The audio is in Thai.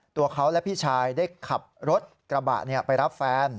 ตัวเขาและพี่ชายได้ขับรถกระบะไปรับแฟน